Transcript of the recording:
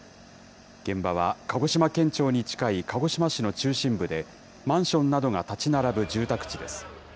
現場は鹿児島県庁に近い鹿児島市の中心部で、マンションなどが建ち並ぶ住宅地です。